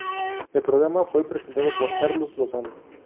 El programa fue presentado por Carlos Lozano.